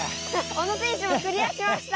小野選手もクリアしました！